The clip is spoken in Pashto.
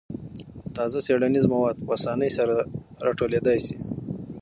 تازه څېړنیز مواد په اسانۍ سره راټولېدای شي.